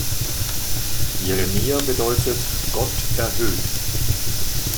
Jeremia bedeutet "Gott erhöht".